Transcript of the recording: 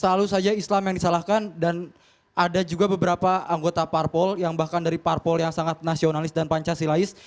selalu saja islam yang disalahkan dan ada juga beberapa anggota parpol yang bahkan dari parpol yang sangat nasionalis dan pancasilais